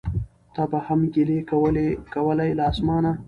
تا به هم ګیلې کولای له اسمانه